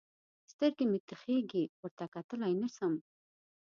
سترګې مې تخېږي؛ ورته کتلای نه سم.